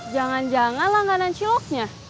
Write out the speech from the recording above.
jangan janganlah gak ada ciloknya